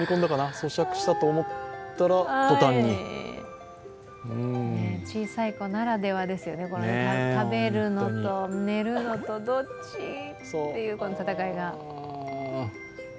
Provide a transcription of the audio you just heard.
そしゃくしたと思ったら、とたんに小さい子ならではですよね、食べるのと寝るのとどっち？という戦いが。